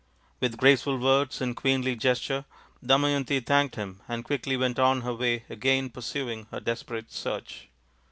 With graceful words and queenly gesture Damayanti thanked him and quickly went on her way again pursuing her desperate search.